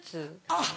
あっ。